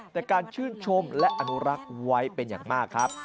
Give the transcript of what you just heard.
แต่การชื่นชมและอนุรักษ์ไว้เป็นอย่างมากครับ